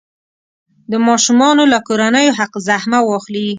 د ماشومانو له کورنیو حق الزحمه واخلي.